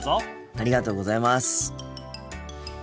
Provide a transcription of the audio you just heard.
ありがとうございます。